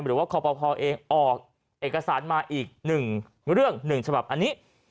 หรือว่าคอปภเองออกเอกสารมาอีก๑เรื่อง๑ฉบับอันนี้